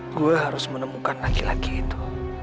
gue harus menemukan laki laki itu